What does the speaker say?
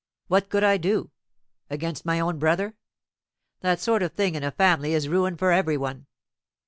What could I do? Against my own brother! That sort of thing in a family is ruin for every one!